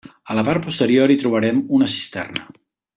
A la part posterior hi trobarem una cisterna.